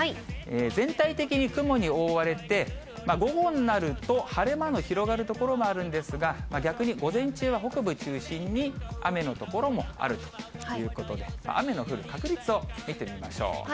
全体的に雲に覆われて、午後になると、晴れ間の広がる所もあるんですが、逆に午前中は北部を中心に、雨の所もあるということで、雨の降る確率を見てみましょう。